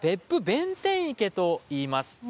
弁天池といいます。